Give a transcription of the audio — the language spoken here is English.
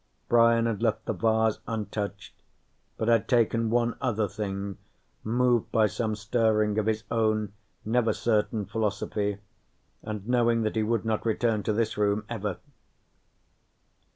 Brian had left the vase untouched, but had taken one other thing, moved by some stirring of his own never certain philosophy and knowing that he would not return to this room, ever.